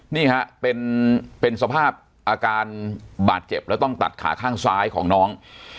นี่ฮะเป็นสภาพอาการบาดเจ็บแล้วต้องตัดขาข้างซ้ายของน้อง